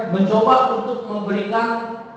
mencoba untuk memberikan